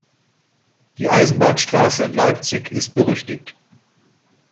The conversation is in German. Die Eisenbahnstraße in Leipzig ist berüchtigt.